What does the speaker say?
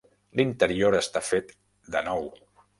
L'interior està fet de nou.